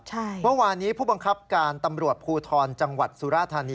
เมื่อวานนี้ผู้บังคับการตำรวจภูทรจังหวัดสุราธานี